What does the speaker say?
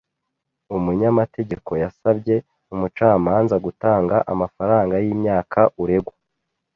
Umunyamategeko yasabye umucamanza gutanga amafaranga y’imyaka uregwa.